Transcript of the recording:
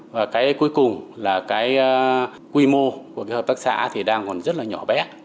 và cái cuối cùng là cái quy mô của cái hợp tác xã thì đang còn rất là nhỏ bé